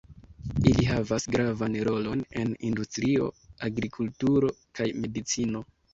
Ili havas gravan rolon en industrio, agrikulturo kaj medicino.